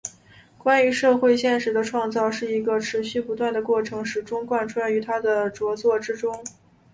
关于社会现实的创造是一个持续不断的过程始终贯穿于他的着作之中。